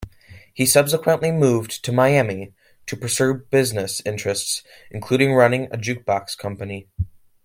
He subsequently moved to Miami to pursue business interests including running a jukebox company.